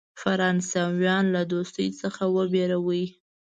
فرانسویانو له دوستی څخه وبېروي.